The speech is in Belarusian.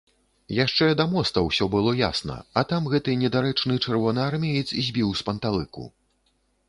Яшчэ да моста ўсё было ясна, а там гэты недарэчны чырвонаармеец збіў з панталыку.